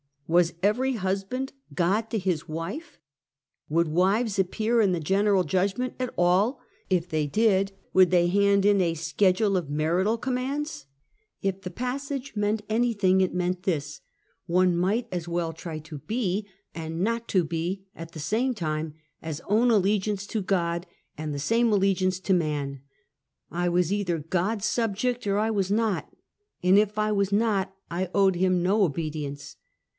"Was every husband God to his wife? Would wives appear in the general judgment at all, or if they did, would they hand in a schedule of marital commands? If the passage meant anything it meant this: One might as well try to be, and not to be, at the same time, as own allegiance to God and the same allegi ance to man. I was either God's subject or I was not. If I was not, I owed him no obedience.